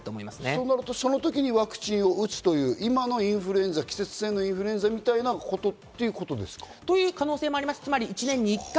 そうなると、その時にワクチンを打つ、今の季節性インフルエンザみたいなことということですか？という可能性もあります。